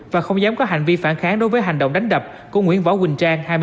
và không dám có hành vi phản kháng đối với hành động đánh đập của nguyễn võ quỳnh trang